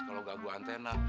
kalau gagal antena